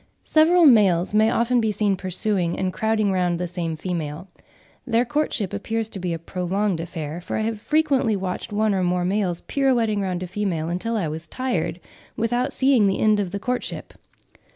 Several males may often be seen pursuing and crowding round the same female. Their courtship appears to be a prolonged affair, for I have frequently watched one or more males pirouetting round a female until I was tired, without seeing the end of the courtship.